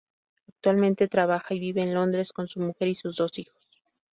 Actualmente trabaja y vive en Londres con su mujer y sus dos hijos.